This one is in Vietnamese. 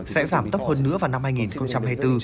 sẽ giảm tốc hơn nữa vào năm hai nghìn hai mươi bốn